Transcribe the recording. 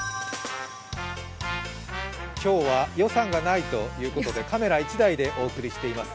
今日は予算がないということでカメラ１台でお送りしています。